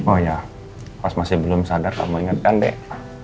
oh ya pas masih belum sadar kamu ingatkan dek